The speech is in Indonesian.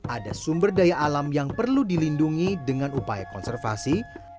ada sumber daya alam yang perlu dilindungi dengan upaya konservasi